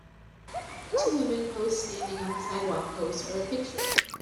Two women pose standing on the sidewalk pose for a picture.